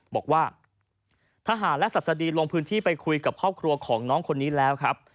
บอกว่าทหารและศัษฎีลงพื้นที่ไปคุยกับครอบครัวของน้องคนนี้แล้วครับ